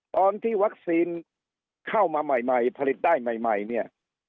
ตอนที่วัคซีนเข้ามาใหม่ผลิตได้ใหม่เนี่ย